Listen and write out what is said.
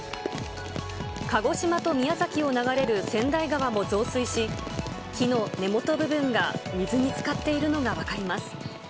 鹿児島と宮崎を流れる川内川も増水し、木の根元部分が水につかっているのが分かります。